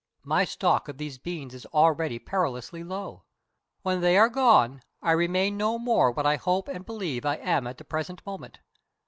My stock of these beans is already perilously low. When they are gone, I remain no more what I hope and believe I am at the present moment.